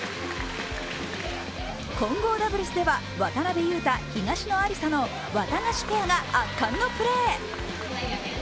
混合ダブルスでは渡辺勇大・東野有紗のワタガシペアが圧巻のプレー。